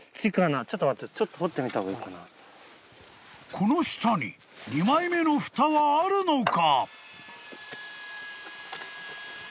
［この下に２枚目のふたはあるのか？］